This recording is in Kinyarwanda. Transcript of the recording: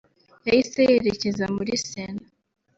yahise yerekeza muri Sena